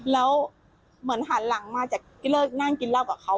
แล้วเหมือนหันหลังมาจากที่เลิกนั่งกินเหล้ากับเขา